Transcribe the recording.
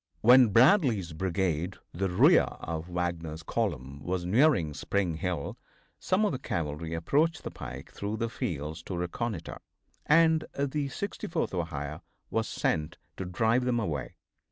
When Bradley's brigade, the rear of Wagner's column, was nearing Spring Hill some of the cavalry approached the pike through the fields to reconnoiter, and the 64th Ohio was sent to drive them away.